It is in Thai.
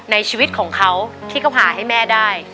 ในชีวิตของเขาที่เขาผ่าให้แม่ได้